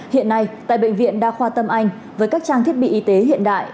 hiện nay tại bệnh viện đa khoa tâm anh với các trang thiết bị y tế hiện đại